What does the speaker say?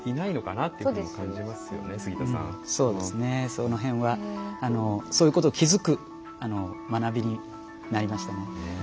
その辺はそういうことを気付く学びになりましたね。